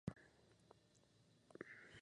Emilio Charles, Jr.